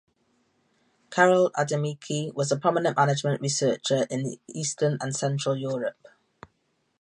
Karol Adamiecki was a prominent management researcher in Eastern and Central Europe.